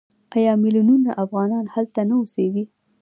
آیا میلیونونه افغانان هلته نه اوسېږي؟